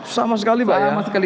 sama sekali pak ya